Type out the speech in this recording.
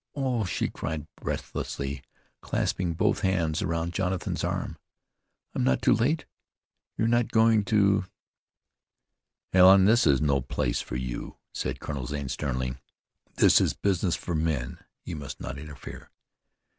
"Oh!" she cried breathlessly, clasping both hands around Jonathan's arm. "I'm not too late? You're not going to " "Helen, this is no place for you," said Colonel Zane sternly. "This is business for men. You must not interfere."